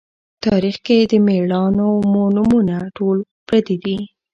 تاریخ کښې د مــړانو مـو نومــونه ټول پردي دي